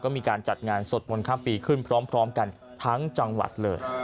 มีการจัดงานสวดมนต์ข้ามปีขึ้นพร้อมกันทั้งจังหวัดเลย